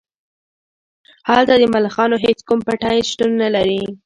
هلته د ملخانو هیڅ کوم پټی شتون نلري